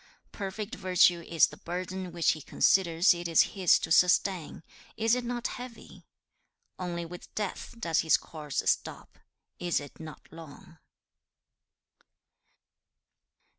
'Perfect virtue is the burden which he considers it is his to sustain; is it not heavy? Only with death does his course stop; is it not long?